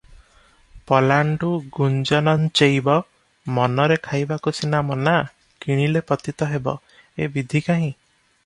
"ପଲାଣ୍ଡୁ ଗୁଞ୍ଜନଞ୍ଚୈବ" ---ମନରେ ଖାଇବାକୁ ସିନା ମନା, କିଣିଲେ ପତିତ ହେବ, ଏ ବିଧି କାହିଁ?